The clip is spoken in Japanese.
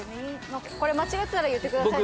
間違ってたら言ってください。